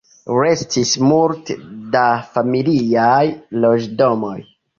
Restis multe da familiaj loĝdomoj.